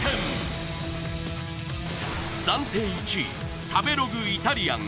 暫定１位食べログイタリアン